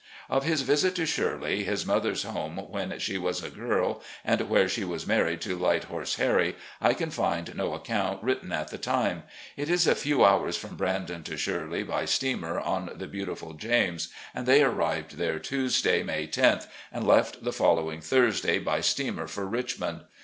Of his visit to "Shirley," his mother's home when she was a girl, and where she was married to "Light Horse Harry," I can find no accoimt ■written at the time. It is a few hours from "Brandon" to "Shirley" by steamer on THE SOUTHERN TRIP 405 the beautiful James, and they arrived there Tuesday, May loth, and left the following Thiusday by steamer for Richmond.